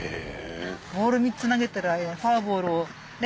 「ボール３つ投げてる間にフォアボールをね」